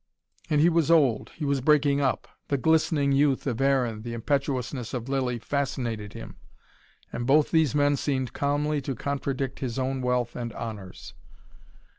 And he was old, he was breaking up. The glistening youth of Aaron, the impetuousness of Lilly fascinated him. And both these men seemed calmly to contradict his own wealth and honours.